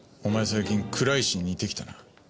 最近倉石に似てきたな。